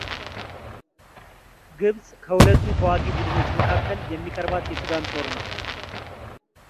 ግብጽ ከሁለቱ ተዋጊ ቡድኖች መካከል የሚቀርባት የሱዳን ጦር ነው።